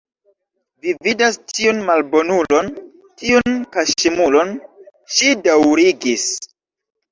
Vi vidas tiun malbonulon, tiun kaŝemulon, ŝi daŭrigis.